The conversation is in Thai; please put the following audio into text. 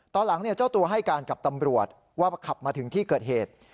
ตอนหลังเจ้าตัวให้การกับตำรวจว่าขับมาถึงที่เกิดเหตุ